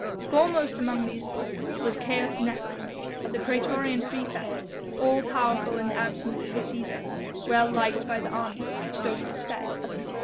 Foremost amongst these was Caius Nepos, the praetorian praefect, all powerful in the absence of the Cæsar, well liked by the army, so 'twas said.